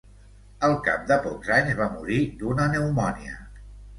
Al cap de pocs anys va morir d'una pneumònia.